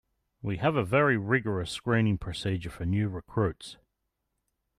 We have a very vigorous screening procedure for new recruits.